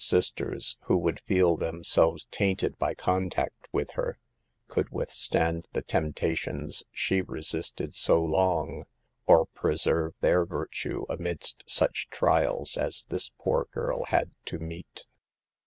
sisters, who would feel themselves tainted by contact with her, could withstand the tempta tions she resisted so long, or preserve their virtue amidst such trials as this poor girl had to meet.